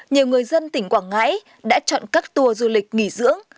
nhiều người dân tỉnh quảng ngãi đã chọn các tour du lịch nghỉ dưỡng